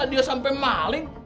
masa dia sampe maling